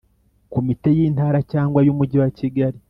Komite y Intara cyangwa y Umujyi wa Kigali